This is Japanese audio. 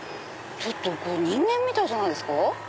ちょっと人間みたいじゃないですか？